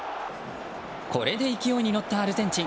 これで勢いに乗ったアルゼンチン。